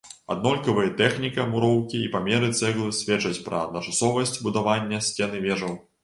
Аднолькавыя тэхніка муроўкі і памеры цэглы сведчаць пра адначасовасць будавання сцен і вежаў.